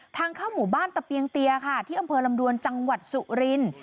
ทางเข้าหมู่บ้านตะเปียงเตียค่ะที่อำเภอลำดวนจังหวัดสุรินทร์